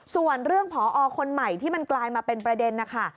ส่วนเรื่องผอคนใหม่ที่มันกลายมาเป็นประเด็นนะคะ